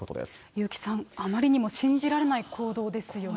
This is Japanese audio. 優木さん、あまりにも信じられない行動ですよね。